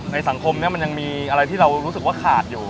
สังคมนี้มันยังมีอะไรที่เรารู้สึกว่าขาดอยู่